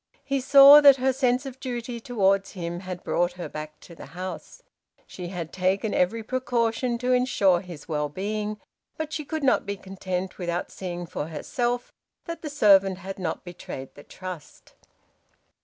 He saw that her sense of duty towards him had brought her back to the house. She had taken every precaution to ensure his well being, but she could not be content without seeing for herself that the servant had not betrayed the trust.